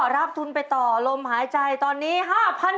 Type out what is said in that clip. รับทุนไปต่อลมหายใจตอนนี้๕๐๐บาท